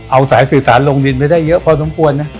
เอาสายสื่อสารลงดินไปได้เยอะพอสมควรนะ